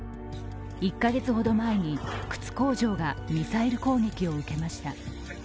１カ月ほど前に靴工場がミサイル攻撃を受けました。